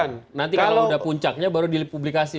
nanti kalau udah puncaknya baru dipublikasi